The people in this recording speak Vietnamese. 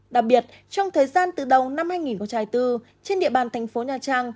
đặc biệt trong thời gian từ đầu năm hai nghìn bốn trên địa bàn thành phố nha trang